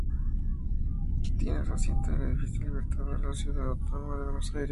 Tiene su asiento en el Edificio Libertador, en la Ciudad Autónoma de Buenos Aires.